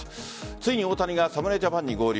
ついに大谷が侍ジャパンに合流。